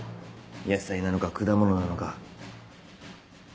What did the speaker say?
野菜なのか果物なのか。